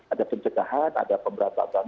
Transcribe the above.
ada pencegahan ada pemberantasan